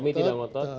romi tidak ngotot